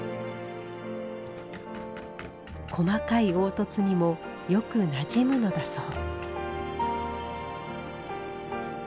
細かい凹凸にもよくなじむのだそう。